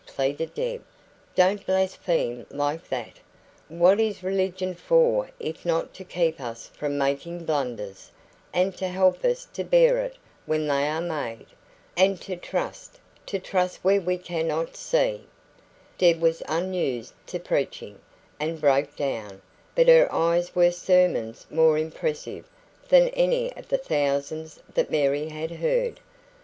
pleaded Deb. "Don't blaspheme like that! What is religion for if not to keep us from making blunders, and to help us to bear it when they are made and to trust to trust where we cannot see " Deb was unused to preaching, and broke down; but her eyes were sermons more impressive than any of the thousands that Mary had heard.